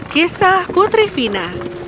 kisah putri vina